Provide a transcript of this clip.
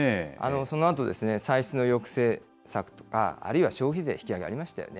そのあと、歳出の抑制策とか、あるいは消費税引き上げ、ありましたよね？